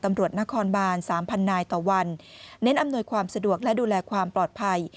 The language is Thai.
ตำรวจนครบาน๓๐๐นายต่อวันเน้นอำนวยความสะดวกและดูแลความปลอดภัย